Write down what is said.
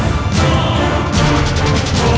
tidak ada apa apa